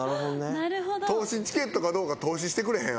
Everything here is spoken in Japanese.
透視チケットかどうか透視してくれへん？